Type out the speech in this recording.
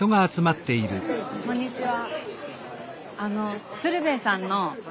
こんにちは。